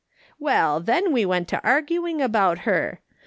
Well, then we went to arguing about her.